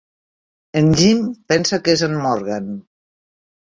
En Jim pensa que és en Morgan.